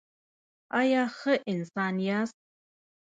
ایا ښه انسان یاست؟